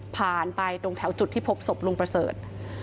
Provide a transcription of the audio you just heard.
ผ่านไปตรงแถวจุดที่พบศพลุงเบอร์เซิท